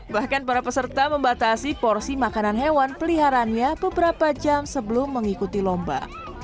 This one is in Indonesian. bahkan para peserta membatasi porsi makanan hewan peliharaannya beberapa jam sebelum mengikuti lomba